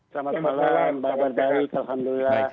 selamat malam kabar baik alhamdulillah